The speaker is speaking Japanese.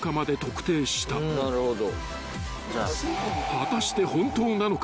［果たして本当なのか］